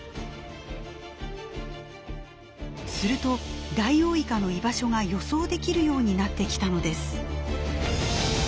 するとダイオウイカの居場所が予想できるようになってきたのです。